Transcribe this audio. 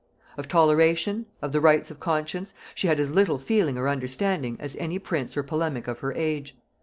Of toleration, of the rights of conscience, she had as little feeling or understanding as any prince or polemic of her age.